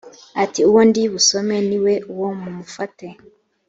ati uwo ndi busome ni we uwo mumufate